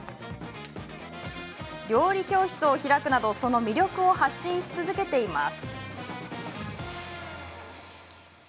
料理教室を開くなどその魅力を発信し続けています。